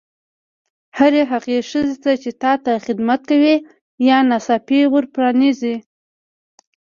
هرې هغې ښځې ته چې تا ته خدمت کوي یا ناڅاپي ور پرانیزي.